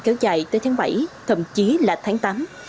kéo dài tới tháng bảy thậm chí là tháng tám